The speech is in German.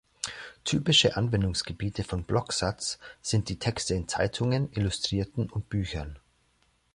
Typische Anwendungsgebiete von Blocksatz sind die Texte in Zeitungen, Illustrierten und Büchern.